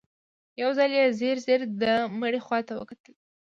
يو ځل يې ځير ځير د مړي خواته وکتل.